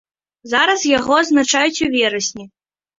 Зараз яго адзначаюць у верасні.